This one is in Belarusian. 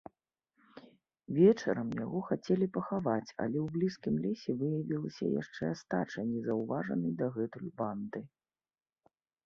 Вечарам яго хацелі пахаваць, але ў блізкім лесе выявілася яшчэ астача незаўважанай дагэтуль банды.